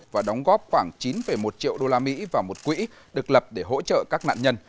và đóng góp khoảng chín một triệu đô la mỹ vào một quỹ được lập để hỗ trợ các nạn nhân